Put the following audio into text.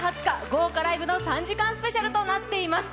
豪華ライブの３時間スペシャルとなっています。